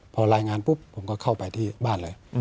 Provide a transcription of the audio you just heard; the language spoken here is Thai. พอรายงานปุ๊บผมก็เข้าไปที่บ้านเลย